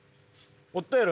おったやろ？